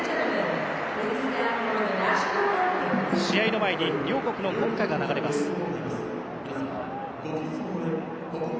試合の前に両国の国歌が流れます。